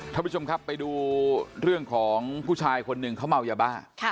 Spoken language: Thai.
ครับผู้ชมครับเอาไปดูเรื่องของผู้ชายเขาเมายบ้า